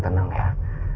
saya beri pak